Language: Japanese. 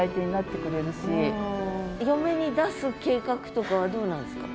嫁に出す計画とかはどうなんですか？